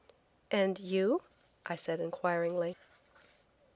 "And you?" I said inquiringly.